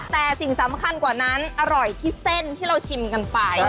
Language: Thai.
แต่สิ่งสำคัญกว่านั้นอร่อยที่เส้นที่เราชิมกันไป